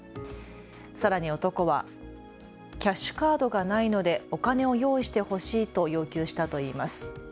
さらに男はキャッシュカードがないのでお金を用意してほしいと要求したといいます。